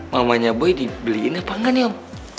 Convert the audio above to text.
mamanya gue dibeliin apa nggak nih om